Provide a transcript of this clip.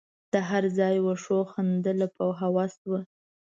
د هر ځای وښو خندله په هوس وه